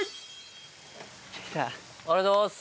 ありがとうございます。